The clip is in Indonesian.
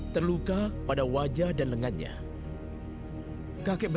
karena praja sudah mengkhianati ibu